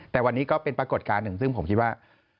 แต่วันนี้ก็เป็นปรากฏการณ์หนึ่งซึ่งผมคิดว่า